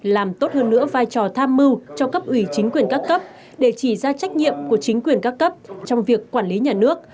làm tốt hơn nữa vai trò tham mưu cho cấp ủy chính quyền các cấp để chỉ ra trách nhiệm của chính quyền các cấp trong việc quản lý nhà nước